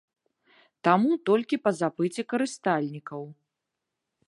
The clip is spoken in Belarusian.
Таму толькі па запыце карыстальнікаў.